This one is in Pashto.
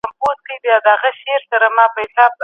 ایا د مڼو په پوستکي کي د بدن لپاره ګټور مواد سته؟